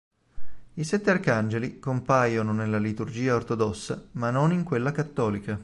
I sette arcangeli compaiono nella liturgia ortodossa ma non in quella cattolica.